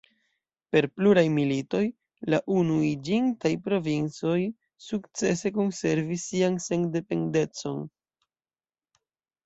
Per pluraj militoj, la Unuiĝintaj Provincoj sukcese konservis sian sendependecon.